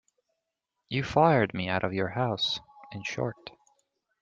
You fired me out of your house, in short.